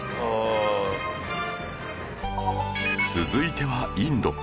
続いてはインド